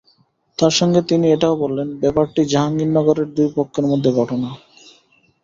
তার সঙ্গে তিনি এটাও বললেন, ব্যাপারটি জাহাঙ্গীরনগরের দুই পক্ষের মধ্যে ঘটনা।